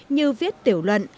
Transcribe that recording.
như viết tiểu luận